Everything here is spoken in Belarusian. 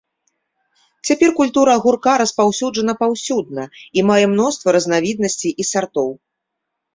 Цяпер культура агурка распаўсюджана паўсюдна і мае мноства разнавіднасцей і сартоў.